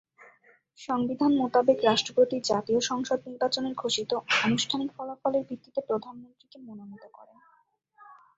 সংবিধান মোতাবেক রাষ্ট্রপতি জাতীয় সংসদ নির্বাচনের ঘোষিত আনুষ্ঠানিক ফলাফলের ভিত্তিতে প্রধানমন্ত্রীকে মনোনীত করেন।